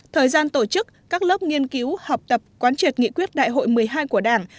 thời gian tổ chức các lớp nghiên cứu học tập quán triệt nghị quyết đại hội một mươi hai của đảng